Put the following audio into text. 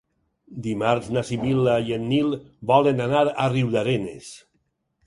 Dimarts na Sibil·la i en Nil volen anar a Riudarenes.